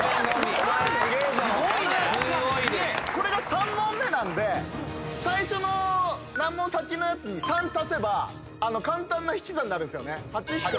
これが３問目なんで最初の何問先のやつに３足せば簡単な引き算になるんですよね。